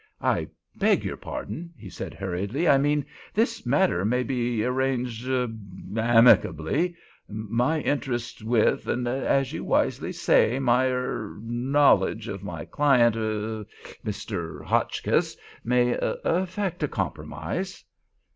"I beg your pardon," he said, hurriedly. "I mean—this matter may be arranged—er—amicably. My interest with—and as you wisely say—my—er—knowledge of my client—er—Mr. Hotchkiss—may affect—a compromise."